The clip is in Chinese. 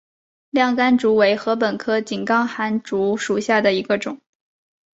亮竿竹为禾本科井冈寒竹属下的一个种。